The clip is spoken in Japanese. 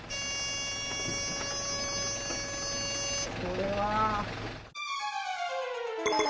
これは。